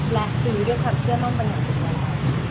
และคุณด้วยความเชื่อม้องบรรยายตัวเองก็ใช้หรือไม่